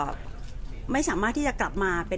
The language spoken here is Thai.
ก็จริงจริงไม่อยากร้องไห้เลยเพราะว่าแบบไม่อยากให้ลูกเห็น